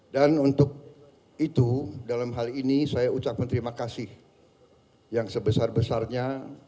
dan untuk itu dalam hal ini saya ucapkan terima kasih yang sebesar besarnya